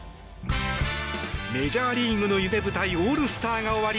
メジャーリーグの夢舞台オールスターが終わり